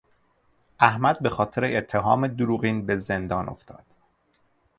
احمد به خاطر اتهام دروغین به زندان افتاد.